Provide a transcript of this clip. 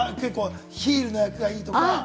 ヒールの役がいいとか。